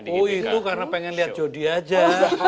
oh itu karena pengen lihat jody aja